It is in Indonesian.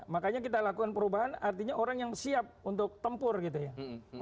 makanya kita lakukan perubahan artinya orang yang siap untuk tempur gitu ya